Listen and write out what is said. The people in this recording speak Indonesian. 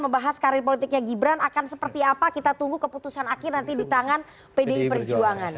membahas karir politiknya gibran akan seperti apa kita tunggu keputusan akhir nanti di tangan pdi perjuangan